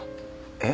えっ？